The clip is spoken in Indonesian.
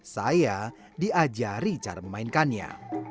saya diajari cara memainkannya